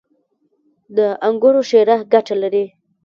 • د انګورو شیره ګټه لري.